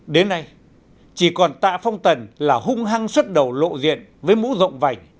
đến nay chỉ còn tạ phong tần là hung hăng xuất đầu lộ diện với mũ rộng vành